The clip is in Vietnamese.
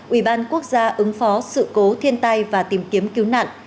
ubnd quốc gia ứng phó sự cố thiên tai và tìm kiếm cứu nạn